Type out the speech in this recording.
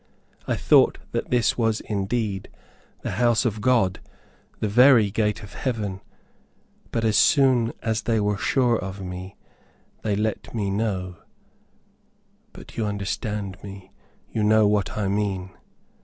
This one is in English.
I thought that this was indeed the 'house of God,' the very 'gate of heaven.' But as soon as they were sure of me, they let me know but you understand me; you know what I mean?"